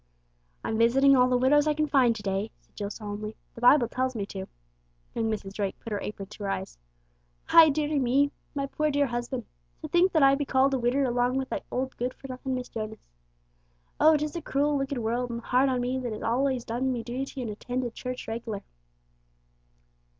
"I'm visiting all the widows I can find to day," said Jill solemnly. "The Bible tells me to." Young Mrs. Drake put her apron to her eyes. "Aye, dearie me! My poor, dear husban'! To think that I be called a widder along wi' that old good for nothin' Mrs. Jonas! Oh, 'tis a cruel, wicked world, and hard on me that has allays done me duty an' attended church reg'lar!"